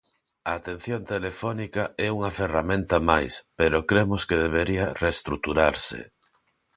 A atención telefónica é unha ferramenta máis, pero cremos que debería reestruturarse.